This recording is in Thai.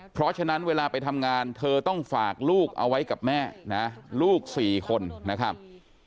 เพราะฉะนั้นเวลาไปทำงานเธอต้องฝากลูกเอาไว้กับแม่นะลูก๔คนนะครับ